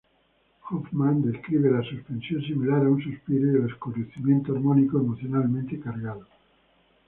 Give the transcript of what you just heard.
Hofmann describe "la suspensión similar a un suspiro y el oscurecimiento armónico emocionalmente cargado".